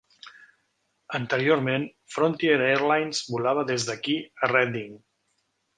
Anteriorment, Frontier Airlines volava des d'aquí a Redding.